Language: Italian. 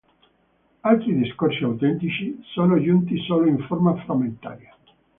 Altri discorsi autentici sono giunti solo in forma frammentaria.